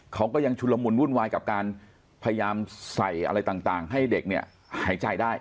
เขาก็ยังชุลมุนวุ่นวายกับการพยายามใส่อะไรต่างให้เด็กเนี่ยหายใจได้